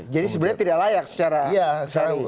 jadi sebenarnya tidak layak secara serius